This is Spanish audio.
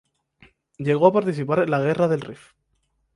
Llegó a participar en la Guerra del Rif.